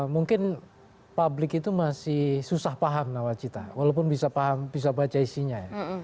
mungkin publik itu masih susah paham nawacita walaupun bisa paham bisa baca isinya ya